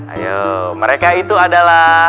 ayo mereka itu adalah